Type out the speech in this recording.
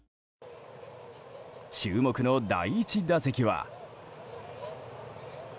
注目の第１打席は。